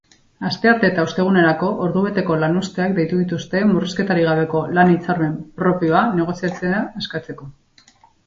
Astearte eta ostegunerako ordubeteko lanuzteak deitu dituzte murrizketarik gabeko lan-hitzarmen propioa negoziatzea eskatzeko.